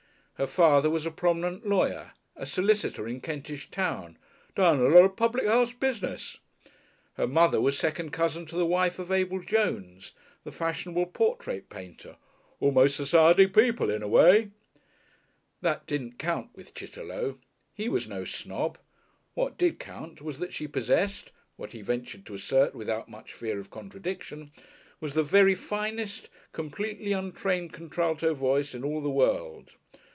Her father was a prominent lawyer, a solicitor in Kentish Town, "done a lot of public house business"; her mother was second cousin to the wife of Abel Jones, the fashionable portrait painter "almost Society people in a way." That didn't count with Chitterlow. He was no snob. What did count was that she possessed, what he ventured to assert without much fear of contradiction, was the very finest, completely untrained contralto voice in all the world.